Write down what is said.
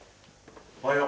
おはよう。